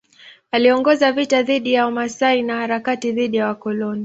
Aliongoza vita dhidi ya Wamasai na harakati dhidi ya wakoloni.